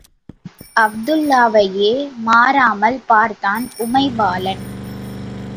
அப்துல்லாவையே மாறாமல் பார்த்தான் உமைபாலன்.